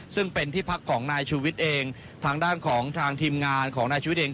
ซึ่งเป็นที่พักของนายชูวิทย์เองทางด้านของทางทีมงานของนายชูวิทย์เอง